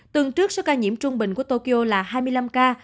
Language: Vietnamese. tuần trước số ca nhiễm trung bình của tokyo là hai mươi năm ca